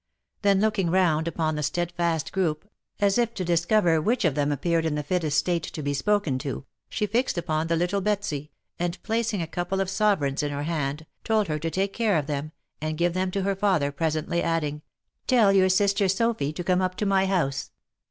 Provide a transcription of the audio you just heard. Then looking round upon the steadfast group, as if to dis cover which of them appeared in the fittest state to be spoken to, she fixed upon the little Betsy, and placing a couple of sovereigns in her hand, told her to take care of them, and give them to her father presently, adding, " tell your sister Sophy to come up to my house.